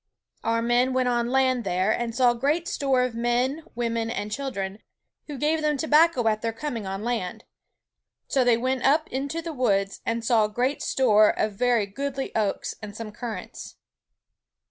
Our men went on land there and saw great store of men, women, and children, who gave them tobacco at their coming on land. So they went up into the woods, and saw great store of very goodly oakes, and some currants.